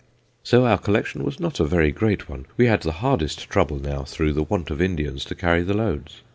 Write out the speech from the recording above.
So our collection was not a very great one; we had the hardest trouble now through the want of Indians to carry the loads.